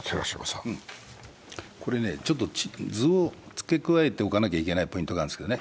これね、図を付け加えておかなきゃいけないポイントがあるんですよね。